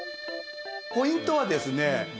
ポイントはですね